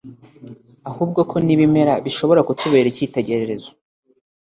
ahubwo ko n'ibimera bishobora kutubera icyitegererezo